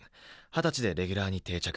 二十歳でレギュラーに定着。